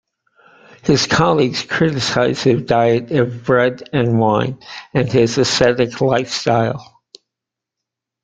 His colleagues criticize his diet of bread and wine, and his ascetic lifestyle.